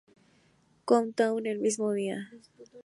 Countdown" el mismo día.